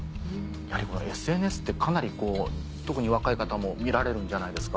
やはりこのＳＮＳってかなり特に若い方も見られるんじゃないですか？